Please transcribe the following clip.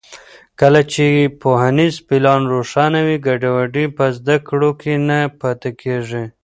کله چې پوهنیز پلان روښانه وي، ګډوډي په زده کړو کې نه پاتې کېږي.